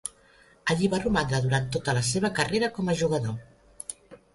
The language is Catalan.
Allí va romandre durant tota la seva carrera com a jugador.